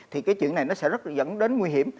thì cái chuyện này nó sẽ rất là dẫn đến nguy hiểm